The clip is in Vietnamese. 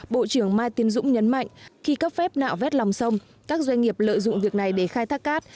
bộ trưởng mai tiến dũng nhấn mạnh khi cấp phép nạo vét lòng sông các doanh nghiệp lợi dụng việc này để khai thác cát